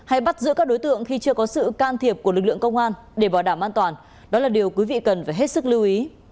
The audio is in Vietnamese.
hay bắt giữ các đối tượng khi chưa có sự can thiệp của lực lượng công an để bảo đảm an toàn đó là điều quý vị cần phải hết sức lưu ý